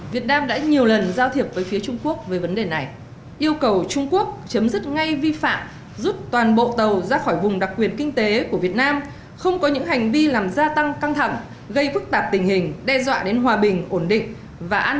việt nam đã nhiều lần giao thiệp với phía trung quốc về vấn đề này yêu cầu trung quốc chấm dứt ngay vi phạm rút toàn bộ tàu ra khỏi vùng đặc quyền kinh tế của việt nam không có những hành vi làm gia tăng căng thẳng gây phức tạp tình hình đe dọa đến hòa bình ổn định